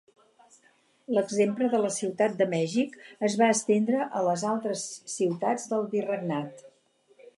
L'exemple de la Ciutat de Mèxic es va estendre a les altres ciutats del virregnat.